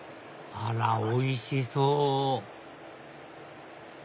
あらおいしそう！